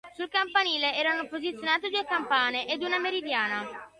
Sul campanile erano posizionate due campane ed una meridiana.